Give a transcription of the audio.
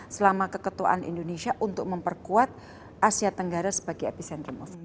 selama keketuaan indonesia untuk memperkuat asia tenggara sebagai epicentrum of